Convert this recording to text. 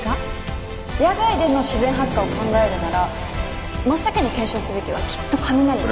野外での自然発火を考えるなら真っ先に検証すべきはきっと雷ね。